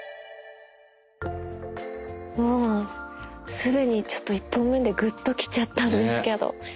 すでにちょっと１本目でグッときちゃったんですけど。